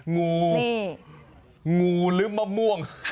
งูงูหรือมะม่วง